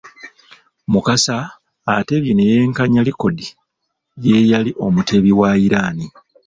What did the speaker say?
Mukasa ateebye ne yenkanya likodi y’eyali omuteebi wa Iran.